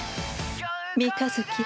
三日月。